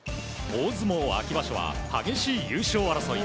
大相撲秋場所は激しい優勝争い。